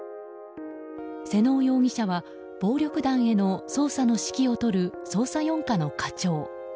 妹尾容疑者は暴力団への捜査の指揮を執る捜査４課の課長。